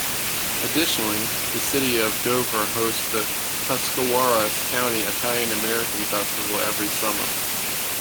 Additionally, the city of Dover hosts the Tuscawaras County Italian-American Festival every summer.